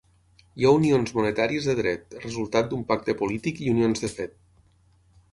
Hi ha unions monetàries de dret, resultat d'un pacte polític i unions de fet.